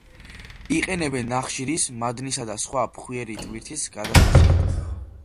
იყენებენ ნახშირის მადნისა და სხვა ფხვიერი ტვირთის გადასაზიდად.